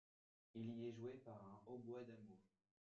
Il y est joué par un hautbois d'amour.